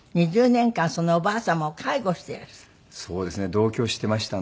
同居していましたので。